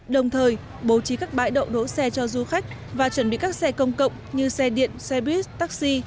đồng thời bố trí các bãi đậu đỗ xe cho du khách và chuẩn bị các xe công cộng như xe điện xe buýt taxi